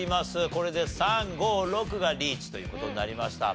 これで３５６がリーチという事になりました。